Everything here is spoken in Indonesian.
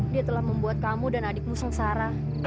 dia telah membuat kamu dan adikmu sengsara